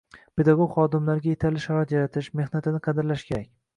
Pedagog xodimlarga yetarli sharoit yaratish, mehnatini qadrlash kerak.